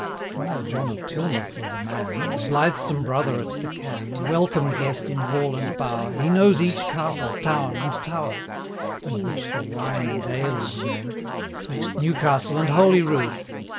345 Friar John of Tillmouth were the man: A blithesome brother at the can, A welcome guest in hall and bower, He knows each castle, town, and tower, In which the wine and ale is good, 350 'Twixt Newcastle and Holy Rood.